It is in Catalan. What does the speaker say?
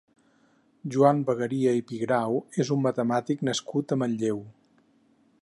Joan Bagaria i Pigrau és un matemàtic nascut a Manlleu.